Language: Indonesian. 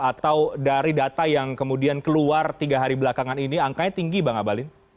atau dari data yang kemudian keluar tiga hari belakangan ini angkanya tinggi bang abalin